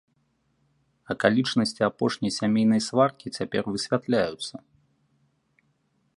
Акалічнасці апошняй сямейнай сваркі цяпер высвятляюцца.